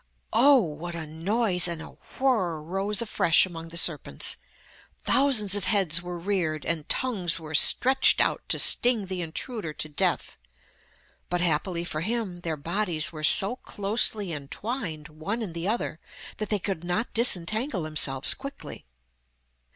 Oh! what a noise and a whirr rose afresh among the serpents. Thousands of heads were reared, and tongues were stretched out to sting the intruder to death, but happily for him their bodies were so closely entwined one in the other that they could not disentangle themselves quickly.